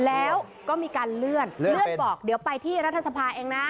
แล้วก็มีการเลื่อนเลื่อนบอกเดี๋ยวไปที่รัฐสภาเองนะ